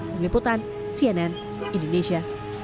mimputan cnn indonesia